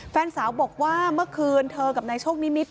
แฟนสาวบอกว่าเมื่อคืนเธอกับนายโชคนิมิตร